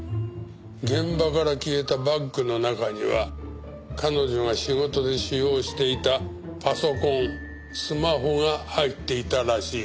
現場から消えたバッグの中には彼女が仕事で使用していたパソコンスマホが入っていたらしい。